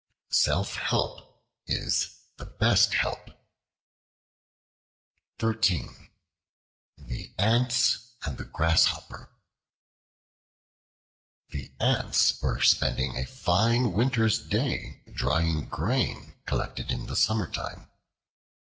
Self help is the best help. The Ants and the Grasshopper THE ANTS were spending a fine winter's day drying grain collected in the summertime.